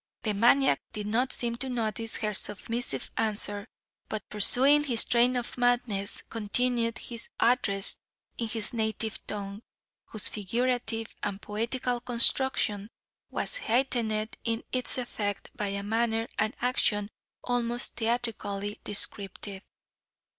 The maniac did not seem to notice her submissive answer, but pursuing his train of madness, continued his address in his native tongue, whose figurative and poetical construction was heightened in its effect, by a manner and action almost theatrically descriptive.